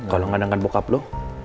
kalau gak dengan bokap lo